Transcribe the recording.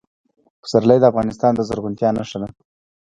پسرلی د افغانستان د زرغونتیا نښه ده.